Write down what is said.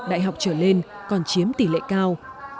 đại học trở lên còn chiếm tỷ lệ cao